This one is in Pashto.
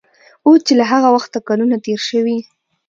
اوس چې له هغه وخته کلونه تېر شوي